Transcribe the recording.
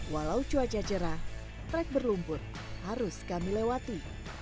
walau cuaca cerah trek berlumpur harus kami lewati